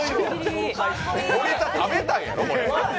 森田、食べたんやろ？